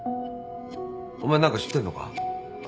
お前何か知ってんのか？